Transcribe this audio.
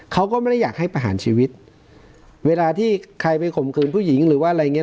เขาก็ไม่ได้อยากให้ประหารชีวิตเวลาที่ใครไปข่มขืนผู้หญิงหรือว่าอะไรอย่างเง